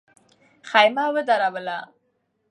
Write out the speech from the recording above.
خېمه ودروله.